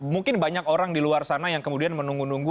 mungkin banyak orang di luar sana yang kemudian menunggu nunggu